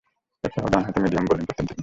এছাড়াও ডানহাতে medium bowling করতেন তিনি।